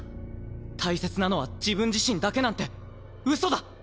大切なのは自分自身だけなんてうそだ。